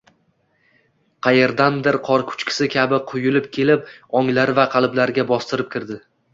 qayerdandir qor ko‘chkisi kabi quyilib kelib, onglari va qalblariga bostirib kirdi.